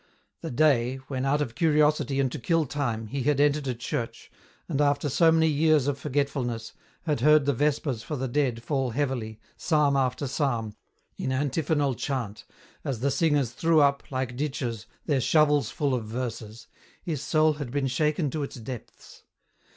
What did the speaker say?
The day, when out of curiosity and to kill time, he had entered a church, and after so many years of forgetfulness, had heard the Vespers for the dead fall heavily, psalm after psalm, in anti phonal chant, as the singers threw up, like ditchers, their shovelsful of verses, his soul had been shaken to its depths.